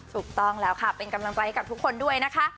ถูกต้องแล้วค่ะเป็นกำลังใจให้กับทุกคนด้วยนะคะ